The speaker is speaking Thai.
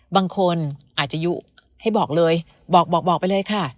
บางคนอาจจะยุให้บอกเลยบอกบอกไปเลยค่ะ